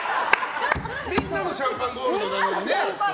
みんなのシャンパンゴールドなのにね。